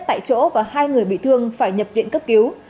tại chỗ và hai người bị thương phải nhập viện cấp cứu